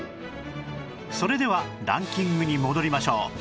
それではランキングに戻りましょう